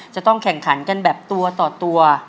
จะต้องแข่งขันกันแบบตัวต่อตัว